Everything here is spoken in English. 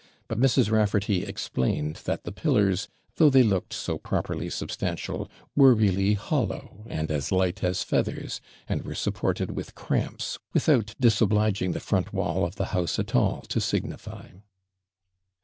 But Mrs. Raffarty explained that the pillars, though they looked so properly substantial, were really hollow and as light as feathers, and were supported with cramps, without DISOBLIGING the front wall of the house at all to signify.